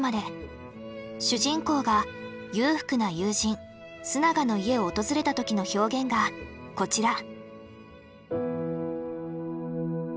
主人公が裕福な友人須永の家を訪れた時の表現がこちら。